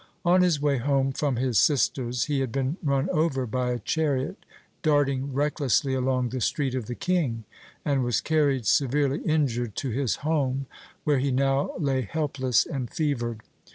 On his way home from his sister's he had been run over by a chariot darting recklessly along the Street of the King, and was carried, severely injured, to his home, where he now lay helpless and fevered.